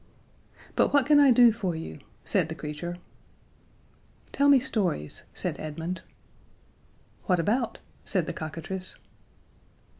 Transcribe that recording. "But what can I do for you?" said the creature. "Tell me stories," said Edmund. "What about?" said the cockatrice.